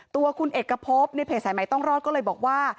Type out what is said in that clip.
ตัวคุณเอกพบในเพจสายใหม่ต้องรอดก็เลยบอกว่า